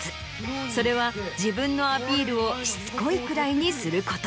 それは自分のアピールをしつこいくらいにすること。